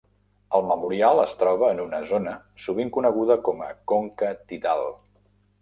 El memorial es troba en una zona sovint coneguda com a Conca Tidal.